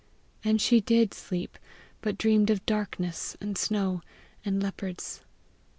And she did sleep, but dreamed of darkness and snow and leopards.